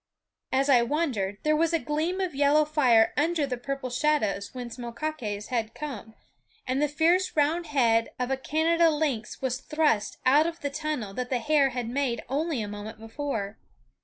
As I wondered, there was a gleam of yellow fire under the purple shadows whence Moktaques had come, and the fierce round head of a Canada lynx was thrust out of the tunnel that the hare had made only a moment before.